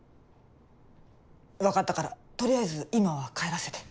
分かったから取りあえず今は帰らせて。